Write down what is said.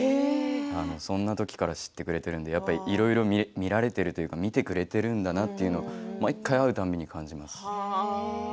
そんなときから知ってくれてるんで、やっぱりいろいろ見られてるというか見てくれてるんだなっていうのを毎回、会うたびに感じます。